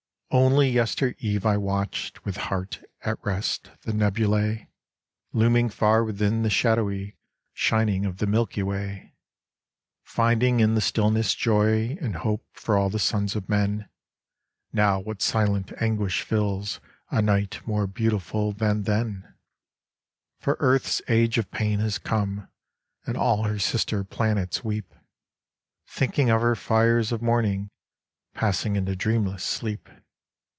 Only yester eve I watched with heart at rest the nebulae Looming far within the shadowy shining of the Milky Way ; Finding in the stillness joy and hope for all the sons of men ; Now what silent anguish fills a night more beautiful than then: For earth's age of pain has come, and all her sister planets weep, Thinking of her fires of morning passing into dreamless sleep.